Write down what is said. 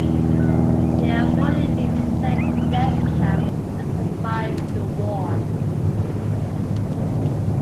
They avoided being sent to death camps and survived the war.